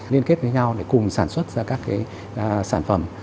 liên kết với nhau để cùng sản xuất ra các sản phẩm